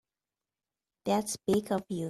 That's big of you.